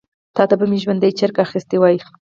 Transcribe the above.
تا ته به مي ژوندی چرګ اخیستی وای .